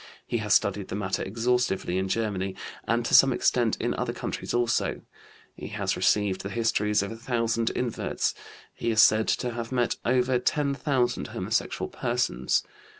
He has studied the matter exhaustively in Germany and to some extent in other countries also; he has received the histories of a thousand inverts; he is said to have met over ten thousand homosexual persons.